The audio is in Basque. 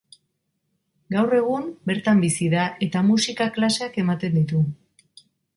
Gaur egun bertan bizi da eta musika klaseak ematen ditu.